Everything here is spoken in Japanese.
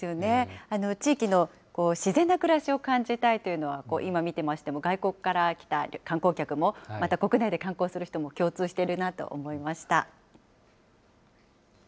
地域の自然な暮らしを感じたいというのは、今見てましても外国から来た観光客も、また国内で観光する人も共通しているなと思いました。